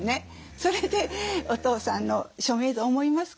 それで「お父さんの署名と思いますか？